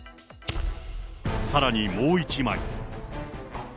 さらにもう１枚。